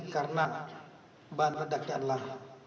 karena bahan redaknya adalah